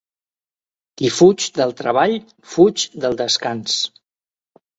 Qui fuig del treball, fuig del descans.